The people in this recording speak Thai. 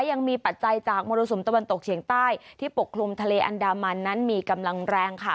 ปัจจัยจากมรสุมตะวันตกเฉียงใต้ที่ปกคลุมทะเลอันดามันนั้นมีกำลังแรงค่ะ